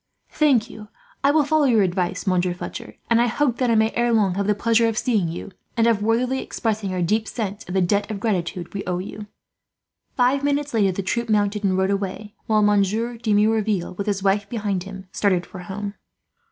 "Thank you. I will follow your advice, Monsieur Fletcher; and I hope that I may, ere long, have the pleasure of seeing you, and of worthily expressing our deep sense of the debt of gratitude we owe you." Five minutes later the troop mounted and rode away, while Monsieur de Merouville, with his wife behind him, started for home.